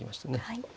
はい。